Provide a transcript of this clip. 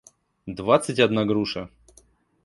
двадцать одна груша